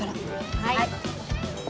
はい。